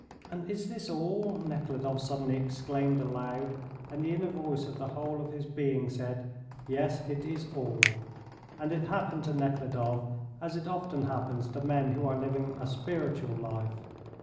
"And is this all?" Nekhludoff suddenly exclaimed aloud, and the inner voice of the whole of his being said, "Yes, it is all." And it happened to Nekhludoff, as it often happens to men who are living a spiritual life.